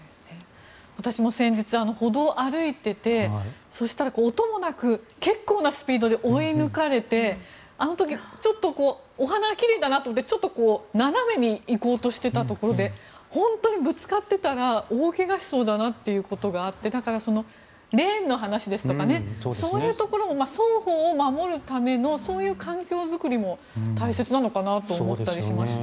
私も先日歩道を歩いていてそしたら音もなく結構なスピードで追い抜かれてあの時、ちょっとお花が奇麗だなと思ってちょっと斜めに行こうとしていたところで本当にぶつかってたら大怪我しそうだなということがあってだから、レーンの話ですとかそういうところを双方守るためのそういう環境作りも大切なのかなと思ったりしました。